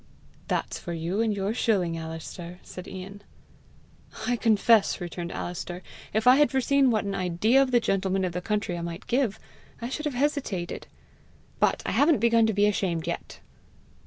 "That's for you and your shilling, Alister!" said Ian. "I confess," returned Alister, "if I had foreseen what an idea of the gentlemen of the country I might give, I should have hesitated. But I haven't begun to be ashamed yet!"